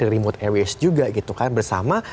dari remote areas juga gitu kan bersama